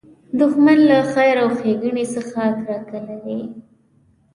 دښمن له خیر او ښېګڼې څخه کرکه لري